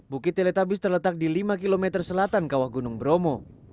bukit teletabis terletak di lima km selatan kawah gunung bromo